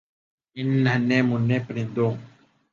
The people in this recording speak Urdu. ان ننھے مننھے پرندوں